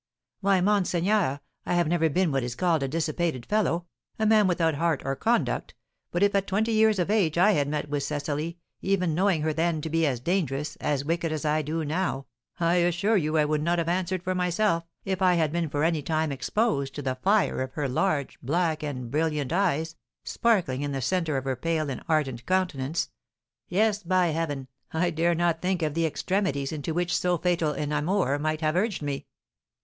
"Why, monseigneur, I have never been what is called a dissipated fellow, a man without heart or conduct, but if at twenty years of age I had met with Cecily, even knowing her then to be as dangerous, as wicked as I do now, I assure you I would not have answered for myself, if I had been for any time exposed to the fire of her large, black, and brilliant eyes, sparkling in the centre of her pale and ardent countenance. Yes, by heaven! I dare not think of the extremities into which so fatal an amour might have urged me."